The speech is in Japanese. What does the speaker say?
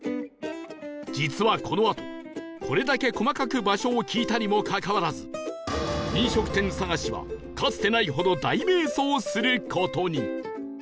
実はこのあとこれだけ細かく場所を聞いたにもかかわらず飲食店探しはかつてないほど大迷走する事に